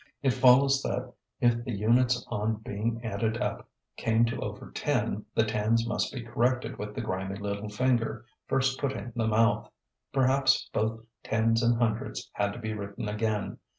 It follows that if the units on being added up came to over ten, the tens must be corrected with the grimy little finger, first put in the mouth. Perhaps both tens and hundreds had to be written again.